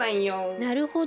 なるほど。